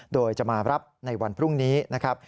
โดยจะมารับในวันพรุ่งนี้นะครับ